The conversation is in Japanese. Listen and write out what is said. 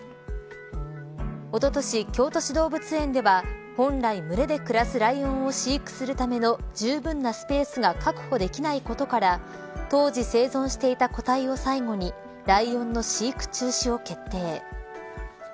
おととし、京都市動物園では本来、群れで暮らすライオンを飼育するためのじゅうぶんなスペースが確保できないことから当時生存していた個体を最後にライオンの飼育中止を決定。